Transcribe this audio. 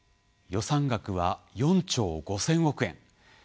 予算額は４兆５，０００億円。